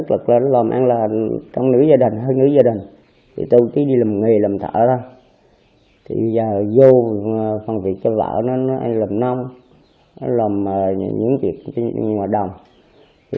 làm nghề làm thợ ra thì giờ vô phòng việc cho vợ nó ai làm nông nó làm những việc ngoài đồng thì